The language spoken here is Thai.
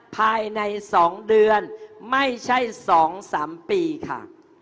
ภายใน๒เดือนไม่ใช่๒๓ปีค่ะ